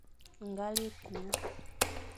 Ngal e ku.